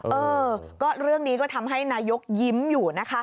เออก็เรื่องนี้ก็ทำให้นายกยิ้มอยู่นะคะ